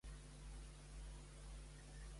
Per què es va canviar el mot “bru” per “pruna”?